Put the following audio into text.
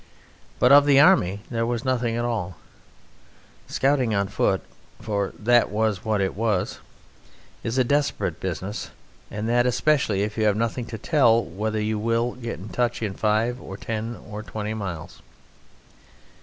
But of the army there was nothing at all. Scouting on foot (for that was what it was) is a desperate business, and that especially if you have nothing to tell you whether you will get in touch in five, or ten, or twenty miles.